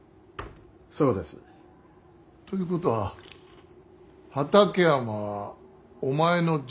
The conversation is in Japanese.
そうです。ということは畠山はお前の爺様の敵。